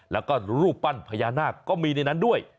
แล้วก็รูปปั้นพญานาคก็มีในนั้นด้วย